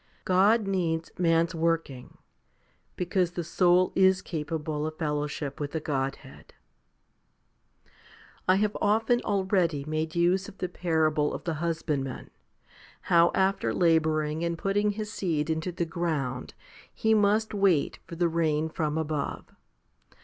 God needs man's working, because the soul is capable of fellowship with the Godhead. 19. I have often already made use of the parable of the husbandman, how after labouring and putting his seed into the ground he must wait for the rain from above.